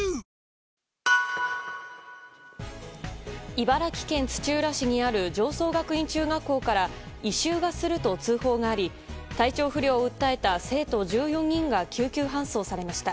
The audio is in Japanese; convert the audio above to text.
茨城県土浦市にある常総学院中学校から異臭がすると通報があり体調不良を訴えた生徒１４人が救急搬送されました。